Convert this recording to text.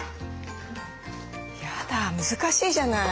やだ難しいじゃない。